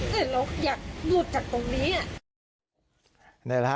แต่เราอยากหลุดจากตรงนี้